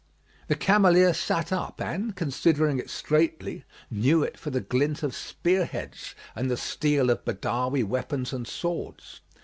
The Cameleer sat up and, considering it straitly, knew it for the glint of spear heads and the steel of Badawi weapons and swords.